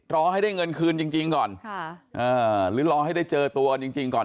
รอให้ได้เงินคืนจริงก่อนหรือรอให้ได้เจอตัวกันจริงก่อน